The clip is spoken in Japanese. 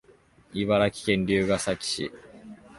茨城県龍ケ崎市